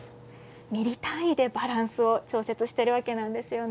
ミリ単位でバランスを調節しているわけなんですよね。